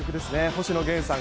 星野源さん